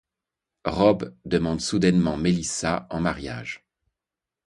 Rob demande soudainement Melissa en mariage.